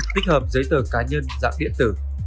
thích hợp giấy tờ cá nhân dạng điện tử